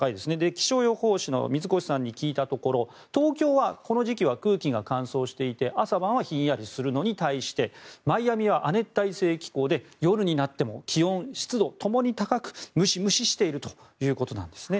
気象予報士の水越さんに聞いたところ東京はこの時期は空気が乾燥していて朝晩はひんやりするのに対してマイアミは亜熱帯性気候で夜になっても気温・湿度共に高くムシムシしているということなんですね。